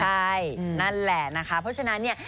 ใช่นั่นแหละนะคะเพราะฉะนั้นเนี่ย